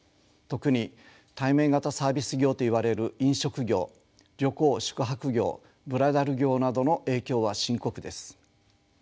特に対面型サービス業といわれる飲食業旅行・宿泊業ブライダル業などの影響は深刻です。